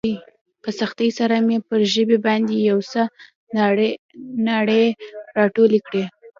په سختۍ سره مې پر ژبې باندې يو څه ناړې راټولې کړې.